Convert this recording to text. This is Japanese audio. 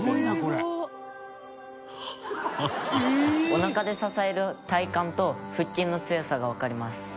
「おなかで支える体幹と腹筋の強さがわかります」